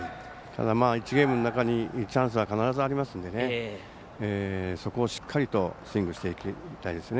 １ゲームの中にチャンスは必ずありますのでそこをしっかりスイングしていきたいですね。